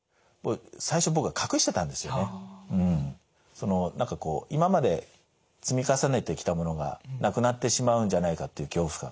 その何かこう今まで積み重ねてきたものがなくなってしまうんじゃないかっていう恐怖感があって。